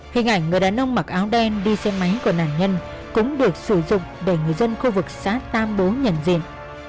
hình ảnh người đàn ông mặc áo đen đi xe máy của nạn nhân cũng được sử dụng để người dân khu vực xã tam bố nhận diện